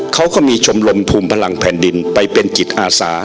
เขาก็มีชมรมภูมิพลังแผ่นดินไปเป็นจิตอาสา